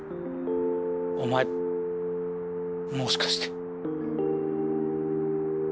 お前もしかして。